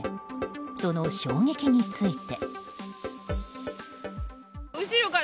その衝撃について。